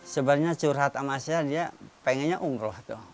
sebenarnya curhat sama saya dia pengennya umroh